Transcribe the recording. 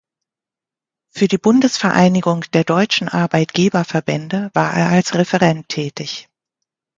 Für die Bundesvereinigung der Deutschen Arbeitgeberverbände war er als Referent tätig.